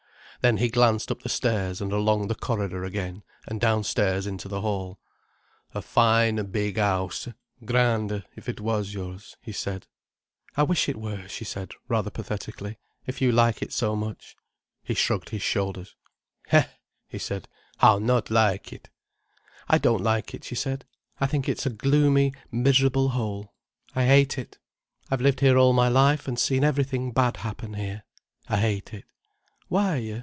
Then he glanced up the stairs and along the corridor again, and downstairs into the hall. "A fine big house. Grand if it was yours," he said. "I wish it were," she said rather pathetically, "if you like it so much." He shrugged his shoulders. "Hé!" he said. "How not like it!" "I don't like it," she said. "I think it's a gloomy miserable hole. I hate it. I've lived here all my life and seen everything bad happen here. I hate it." "Why?"